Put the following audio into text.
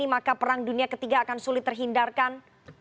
maka perang dunia ketiga akan sulit terhindarkan